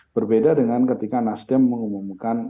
berbeda dengan ketika nasdem mengumumkan